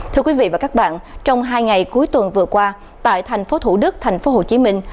thưa quý vị và các bạn trong hai ngày cuối tuần vừa qua tại thành phố thủ đức thành phố hồ chí minh